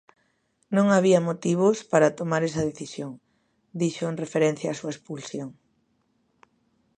"Non había motivos para tomar esa decisión", dixo en referencia á súa expulsión.